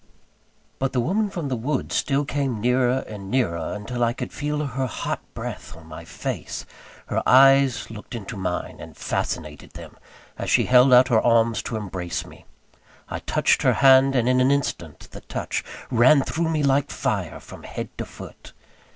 But the woman from the woods still came nearer and nearer, until I could feel her hot breath on my face. Her eyes looked into mine, and fascinated them, as she held out her arms to embrace me. I touched her hand, and in an instant the touch ran through me like fire, from head to foot.